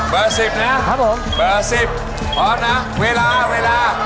๑๐นะครับผมเบอร์๑๐พร้อมนะเวลาเวลา